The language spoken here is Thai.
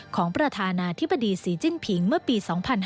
ของประธานาธิบดีศรีจิ้นผิงเมื่อปี๒๕๕๙